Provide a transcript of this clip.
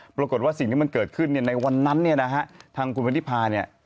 ปรากฏว่าสิ่งที่มันเกิดขึ้นในวันนั้นทางคุณพันธิพานี่